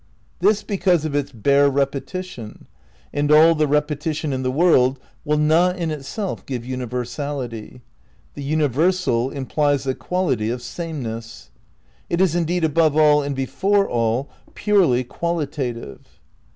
"' This because of its bare repetition, and all the repe tition in the world will not in itself give universality. The universal implies the quality of sameness. It is, indeed, above all and before all, purely qualitative.